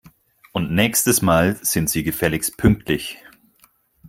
Und nächstes Mal sind Sie gefälligst pünktlich